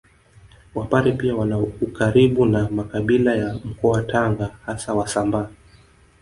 Wapare pia wana ukaribu na makabila ya Mkoa wa Tanga hasa Wasambaa